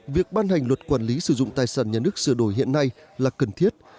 việc ban hành luật quản lý sử dụng tài sản nhà nước sửa đổi hiện nay là cần thiết